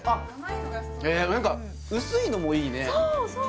何か薄いのもいいねそう！